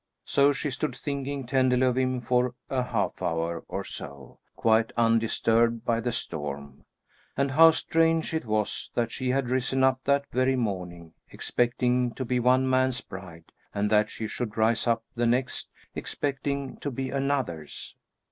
So she stood thinking tenderly of him for a half hour or so, quite undisturbed by the storm; and how strange it was that she had risen up that very morning expecting to be one man's bride, and that she should rise up the next, expecting to be another's.